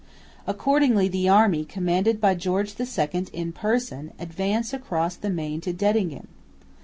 Accordingly the army, commanded by George II in person, advanced across the Main to Dettingen.